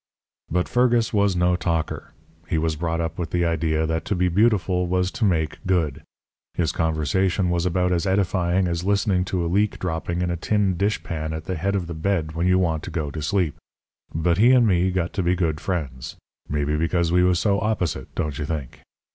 "But Fergus was no talker. He was brought up with the idea that to be beautiful was to make good. His conversation was about as edifying as listening to a leak dropping in a tin dish pan at the head of the bed when you want to go to sleep. But he and me got to be friends maybe because we was so opposite, don't you think?